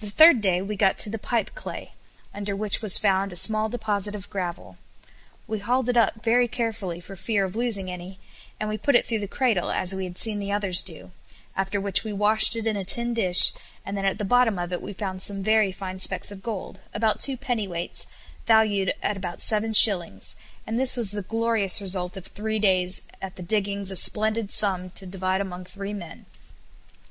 The third day we got to the pipe clay, under which was found a small deposit of gravel. We hauled it up very carefully for fear of losing any, and we put it through the cradle, as we had seen the others do, after which we washed it in a tin dish, and then at the bottom of it we found some very fine specks of gold, about two pennyweights, valued at about seven shillings, and this was the glorious result of three days at the diggings a splendid sum to divide among three men.